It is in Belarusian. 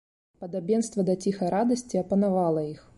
Падабенства да ціхай радасці апанавала іх.